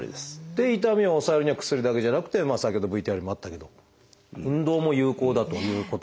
で痛みを抑えるには薬だけじゃなくて先ほどＶＴＲにもあったけど運動も有効だということ。